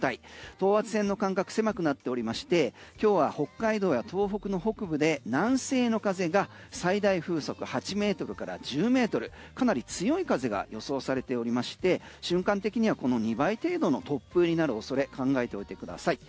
等圧線の間隔狭くなっておりまして今日は北海道や東北の北部で南西の風が最大風速８ｍから１０ｍかなり強い風が予想されておりまして瞬間的にはこの２倍程度の突風になる恐れ考えておいてください。